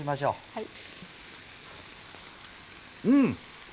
はい。